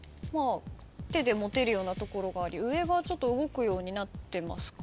手で持てるようなところがあり上が動くようになってますかね。